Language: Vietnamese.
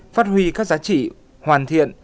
phát huy các giá trị hoàn thiện